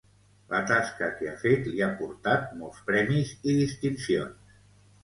La tasca que ha fet li ha portat molts premis i distincions.